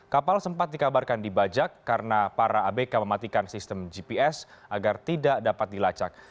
kapal sempat dikabarkan dibajak karena para abk mematikan sistem gps agar tidak dapat dilacak